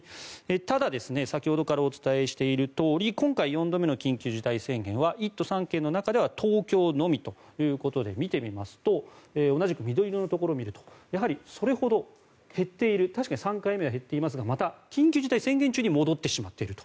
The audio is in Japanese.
ただ、先ほどからお伝えしているとおり今回、４度目の緊急事態宣言は１都３県の中では東京のみというところで見てみますと同じく緑色のところを見るとそれほど減っている確かに３回目は減っていますがまた緊急事態宣言中に戻ってしまっていると。